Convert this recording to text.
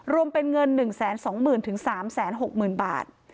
รวมเป็นเงิน๑๒๐๐๐๓๖๐๐๐บาท